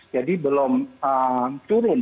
jadi belum turun